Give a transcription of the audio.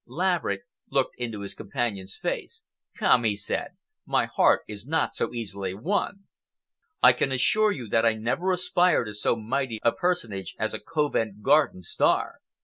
Laverick looked into his companion's face. "Come," he said, "my heart is not so easily won. I can assure you that I never aspire to so mighty a personage as a Covent Garden star.